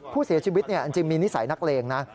ผู้เสียชีวิตจริงมีนิสัยนักเลงนะ